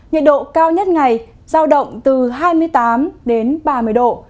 nhiệt độ cao nhất ngày giao động từ hai mươi tám đến ba mươi độ